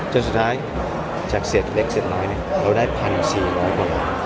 จนสุดท้ายจากเสร็จเล็กเสร็จน้อยเนี้ยเราได้พันสี่หลายคนแล้ว